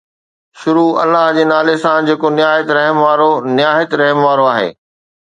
شروع الله جي نالي سان جيڪو نهايت رحم وارو نهايت رحم وارو آهي